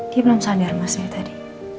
dia belum sadar mas ya tadi